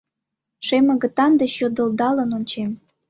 Шем агытан деч йодылдалын ончем